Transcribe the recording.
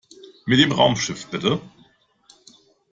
Mit dem Raumschiff, bitte!